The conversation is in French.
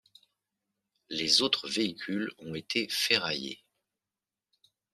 Les autres véhicules ont été ferraillés.